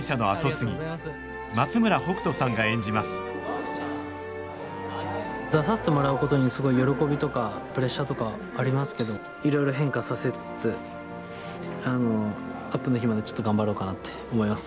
松村北斗さんが演じます出させてもらうことにすごい喜びとかプレッシャーとかありますけどいろいろ変化させつつあのアップの日までちょっと頑張ろうかなって思います。